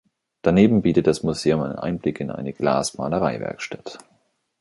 Daneben bietet das Museum einen Einblick in eine Glasmalerei-Werkstatt.